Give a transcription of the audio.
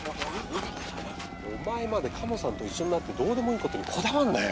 お前まで鴨さんと一緒になってどうでもいいことにこだわるなよ！